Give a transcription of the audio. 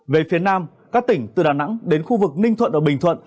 về phía nam các tỉnh từ đà nẵng đến khu vực ninh thuận và bình thuận